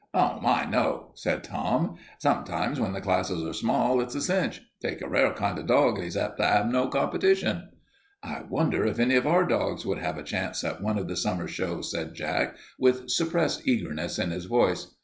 "Oh, my, no," said Tom. "Sometimes when the classes are small it's a cinch. Take a rare kind of dog and he's apt to 'ave no competition." "I wonder if any of our dogs would have a chance at one of the summer shows," said Jack, with suppressed eagerness in his voice.